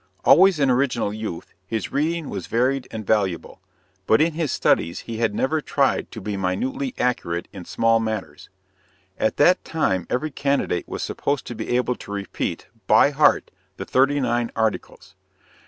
Always an original youth, his reading was varied and valuable; but in his studies he had never tried to be minutely accurate in small matters. At that time every candidate was supposed to be able to repeat, by heart, the "Thirty Nine Articles."